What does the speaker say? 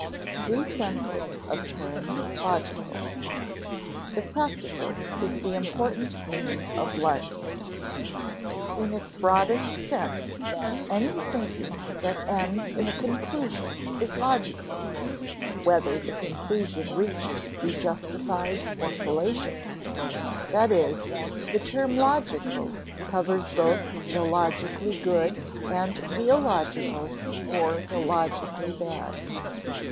[Sidenote: Three senses of term logical] [Sidenote: The practical is the important meaning of logical] In its broadest sense, any thinking that ends in a conclusion is logical whether the conclusion reached be justified or fallacious; that is, the term logical covers both the logically good and the illogical or the logically bad.